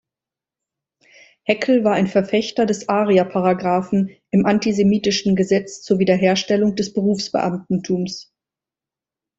Heckel war ein Verfechter des Arierparagraphen im antisemitischen Gesetz zur Wiederherstellung des Berufsbeamtentums.